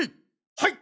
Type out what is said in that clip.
はい！